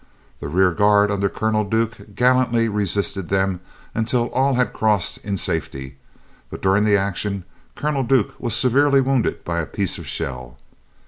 The rear guard under Colonel Duke gallantly resisted them until all had crossed in safety, but during the action Colonel Duke was severely wounded by a piece of shell.